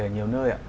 ở nhiều nơi